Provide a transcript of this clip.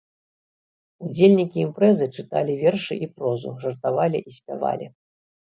Удзельнікі імпрэзы чыталі вершы і прозу, жартавалі і спявалі.